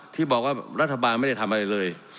ที่บอกว่ารัฐบาลไม่ได้ทำอะไรเลย